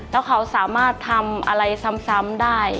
แล้วเขาสามารถทำอะไรซ้ำได้